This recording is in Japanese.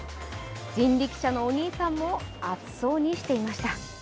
人力車のお兄さんも暑そうにしていました。